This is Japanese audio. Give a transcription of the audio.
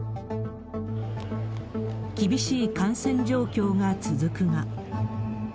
厳しい感染状況が続くが。